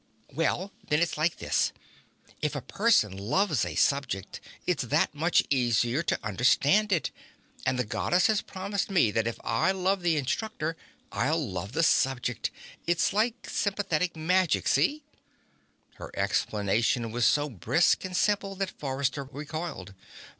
"Well, then, it's like this. If a person loves a subject, it's that much easier to understand it. And the Goddess has promised me that if I love the instructor, I'll love the subject. It's like sympathetic magic see?" Her explanation was so brisk and simple that Forrester recoiled.